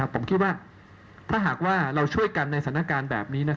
ผมคิดว่าถ้าหากว่าเราช่วยกันในสถานการณ์แบบนี้